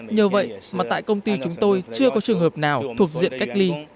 nhờ vậy mà tại công ty chúng tôi chưa có trường hợp nào thuộc diện cách ly